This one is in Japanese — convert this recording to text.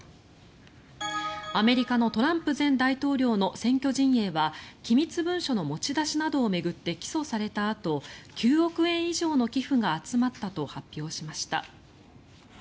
アメリカのトランプ前大統領の選挙陣営は機密文書の持ち出しなどを巡って起訴されたあと９億円以上の寄付が集まったと発表しました。